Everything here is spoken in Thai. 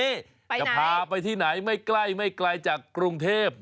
จะพาไปที่ไหนไม่ใกล้ไม่ไกลจากกรุงเทพ